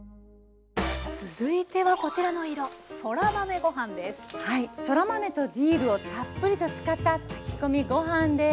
続いてはこちらの色そら豆とディルをたっぷりと使った炊き込みご飯です。